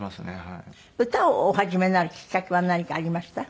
歌をお始めになるきっかけは何かありました？